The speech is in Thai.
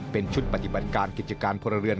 เป็นชุดปฏิบัติการกิจการพลเรือน